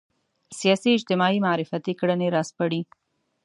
سیاسي اجتماعي معرفتي کړنې راسپړي